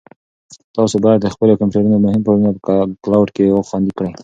تاسو باید د خپل کمپیوټر مهم فایلونه په کلاوډ کې خوندي کړئ.